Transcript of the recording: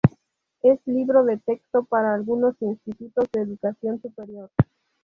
Es libro de texto para algunos institutos de educación superior.